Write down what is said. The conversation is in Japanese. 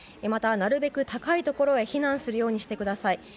またなるべく高いところへ避難するようにしてください。